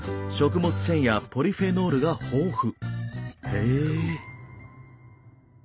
へえ！